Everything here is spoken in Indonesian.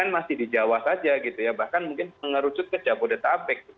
masih di jawa saja gitu ya bahkan mungkin mengerucut ke jabodetabek